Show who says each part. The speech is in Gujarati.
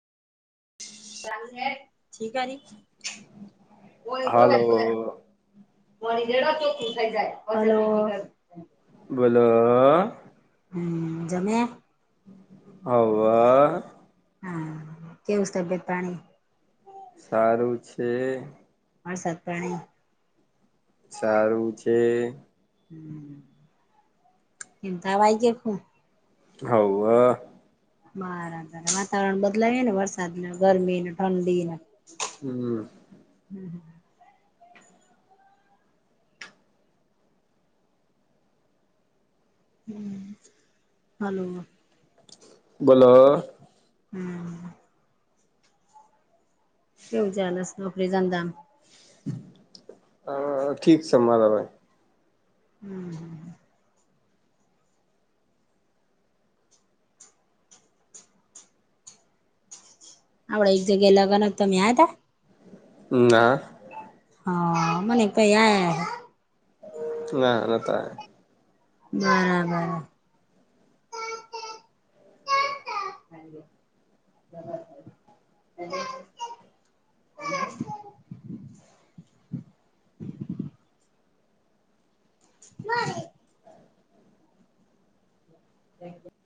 Speaker 1: ત છે ઠીક જી બો
Speaker 2: હાલો
Speaker 1: મ જેડ ચોખ્ખું થઈ જાયલો [unintelligible]
Speaker 2: બોલો.
Speaker 1: હમ જમે્યા [unintelligible]
Speaker 2: હવા [unintelligible]
Speaker 1: હા કેમ સ્તભ્યત પાણી
Speaker 2: સારું છે.
Speaker 1: હ સત પ્રાણી
Speaker 2: સારું છે.
Speaker 1: હ ચિંતાવાયજ ખું [unintelligible]
Speaker 2: હવવે [unintelligible]
Speaker 1: બરાબર વાતાવરણ બદલાવીએ ને વરસાદને ગરમીને ઠંડીને
Speaker 2: હમ [unintelligible]
Speaker 1: હમ [unintelligible] હમ હલો [unintelligible]
Speaker 2: બોલો.
Speaker 1: હમ [unintelligible] એુંજાલસ નોકરીજ દાામ [unintelligible]
Speaker 2: અ ઠીક છે મારાભાઈ.
Speaker 1: હમ [unintelligible] આવડ એક જગ્યા લગન તોમે આ હતા.
Speaker 2: ના.
Speaker 1: હા મને તો એ
Speaker 2: ના ન તો
Speaker 1: હમ. [inaudible] મળરી [unintelligible] થેકયુ [unintelligible]